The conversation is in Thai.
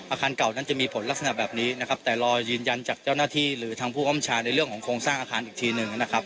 อาคารเก่านั้นจะมีผลลักษณะแบบนี้นะครับแต่รอยืนยันจากเจ้าหน้าที่หรือทางผู้อำชาในเรื่องของโครงสร้างอาคารอีกทีหนึ่งนะครับ